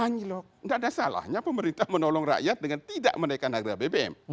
anjlok tidak ada salahnya pemerintah menolong rakyat dengan tidak menaikkan harga bbm